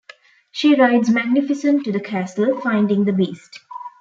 She rides Magnificent to the castle, finding the Beast.